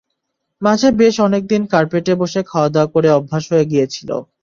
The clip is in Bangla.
মাঝে বেশ অনেক দিন কার্পেটে বসে খাওয়া দাওয়া করে অভ্যাস হয়ে গিয়েছিল।